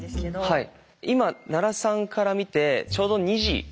はい。